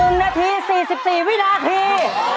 ๑นาที๔๔วินาที